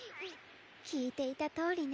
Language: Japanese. きいていたとおりね。